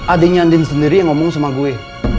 adiknya andi sendiri yang ngomong sama gue